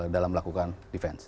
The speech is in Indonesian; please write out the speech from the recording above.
dalam melakukan defense